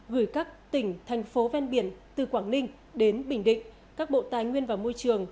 gửi các tỉnh thành phố ven biển từ quảng ninh đến bình định các bộ tài nguyên và môi trường